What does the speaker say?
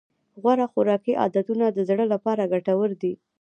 غوره خوراکي عادتونه د زړه لپاره ګټور دي.